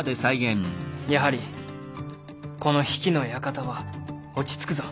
やはりこの比企の館は落ち着くぞ。